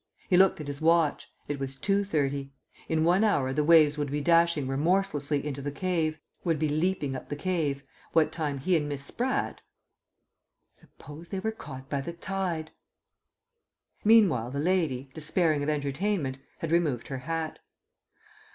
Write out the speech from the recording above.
He looked at his watch; it was 2.30. In one hour the waves would be dashing remorselessly into the cave, would be leaping up the cliff, what time he and Miss Spratt Suppose they were caught by the tide.... Meanwhile the lady, despairing of entertainment, had removed her hat.